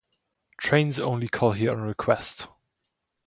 Trains only call here on request.